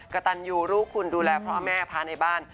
กระตันยูลูกคุณดูแลพ่อแม่พระในบ้าน